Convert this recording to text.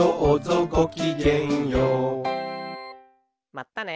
まったね。